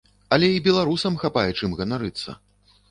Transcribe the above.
Але і беларусам хапае чым ганарыцца.